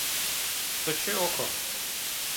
Tu taču joko?